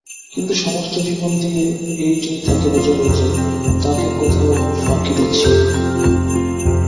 কিন্তু সমস্ত জীবন দিয়ে এইটেই তাঁকে বোঝাব যে, তাঁকে কোথাও ফাঁকি দিচ্ছি নে।